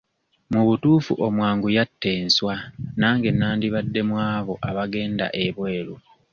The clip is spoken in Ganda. Mu butuufu omwangu yatta enswa nange nandibadde mu abo abagenda ebweru.